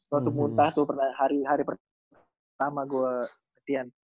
masuk muntah tuh hari pertama gue latihan